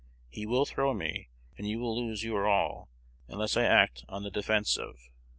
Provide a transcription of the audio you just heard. He will throw me, and you will lose your all, unless I act on the defensive."